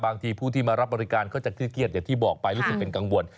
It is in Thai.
บางทีผู้ที่มารับบริการเขาจะขี้เกียจอย่างที่บอกไปรู้สึกเป็นกังวล